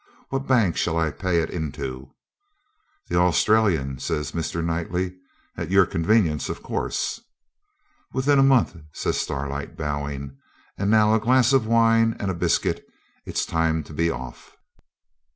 What bank shall I pay it into?' 'The Australian,' says Mr. Knightley. 'At your convenience, of course.' 'Within a month,' says Starlight, bowing. 'And now a glass of wine and a biscuit, it's time to be off.'